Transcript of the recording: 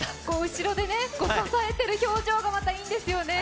後ろで支えてる表情がまたいいんですよね。